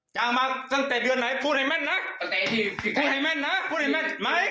มาตั้งแต่เดือนไหนพูดให้แม่นนะพูดให้แม่นนะพูดให้แม่นไหม